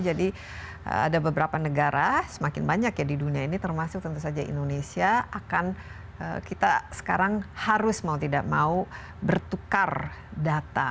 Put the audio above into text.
jadi ada beberapa negara semakin banyak ya di dunia ini termasuk tentu saja indonesia akan kita sekarang harus mau tidak mau bertukar data